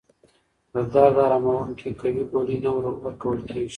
د درد اراموونکې قوي ګولۍ نه ورکول کېږي.